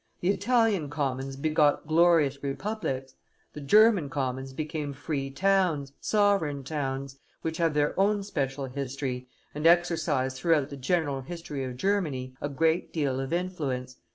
The Italian commons begot glorious republics. The German commons became free towns, sovereign towns, which have their own special history, and exercised throughout the general history of Germany a great deal of influence.